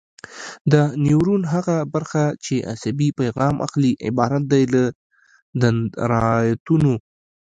د نیورون هغه برخه چې عصبي پیغام اخلي عبارت دی له دندرایتونو.